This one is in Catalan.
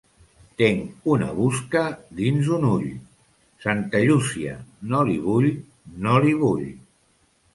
Tenc una busca dins un ull, Santa Llúcia, no l'hi vull, no l'hi vull.